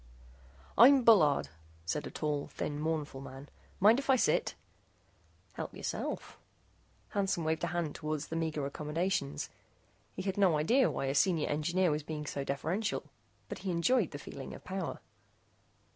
"I'm Bullard," said a tall, thin, mournful man. "Mind if I sit?" "Help yourself," Hansen waved a hand toward the meager accommodations. He had no idea why a Senior Engineer was being so deferential, but he enjoyed the feeling of power.